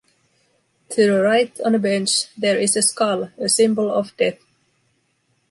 To the right, on a bench, there is a skull, a symbol of death.